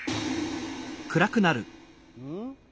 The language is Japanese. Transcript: うん？